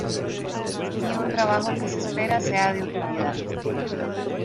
Y un trabajo que se espera sea de utilidad.